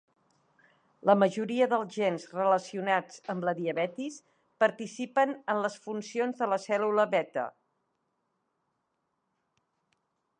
La majoria dels gens relacionats amb la diabetis participen en les funcions de la cèl·lula beta.